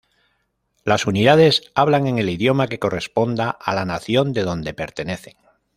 Las unidades hablan en el idioma que corresponda a la nación de donde pertenecen.